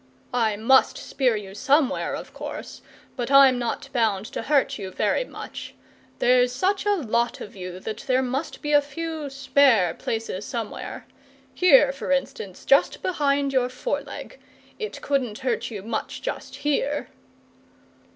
"I MUST spear you somewhere, of course, but I'm not bound to hurt you very much. There's such a lot of you that there must be a few SPARE places somewhere. Here, for instance, just behind your foreleg. It couldn't hurt you much, just here!"